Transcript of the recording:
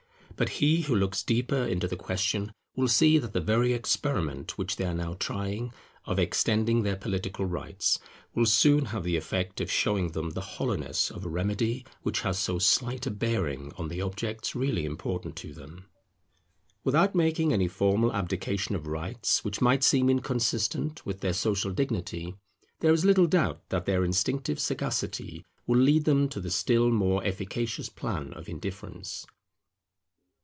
But he who looks deeper into the question will see that the very experiment which they are now trying, of extending their political rights, will soon have the effect of showing them the hollowness of a remedy which has so slight a bearing upon the objects really important to them. Without making any formal abdication of rights, which might seem inconsistent with their social dignity, there is little doubt that their instinctive sagacity will lead them to the still more efficacious plan of indifference.